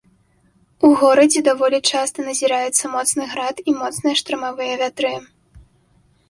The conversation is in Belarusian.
У горадзе даволі часта назіраецца моцны град і моцныя штармавыя вятры.